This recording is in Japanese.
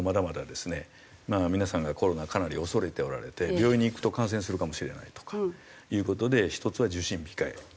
まだ皆さんがコロナかなり恐れておられて病院に行くと感染するかもしれないとかいう事で１つは受診控え。